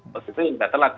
begitu yang sudah telat